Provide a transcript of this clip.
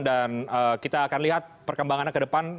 dan kita akan lihat perkembangannya ke depan